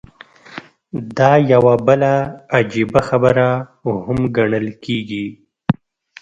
دا يوه بله عجيبه خبره هم ګڼل کېږي.